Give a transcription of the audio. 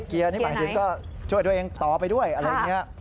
เกียร์นี่หมายถึงก็ช่วยตัวเองต่อไปด้วยอะไรอย่างนี้